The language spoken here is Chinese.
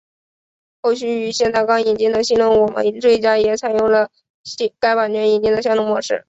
后续于现在刚引进的新我们这一家也采用了该版权引进的相同模式。